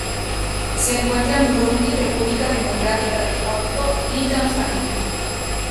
Se encuentra en Burundi República Democrática del Congo y Tanzania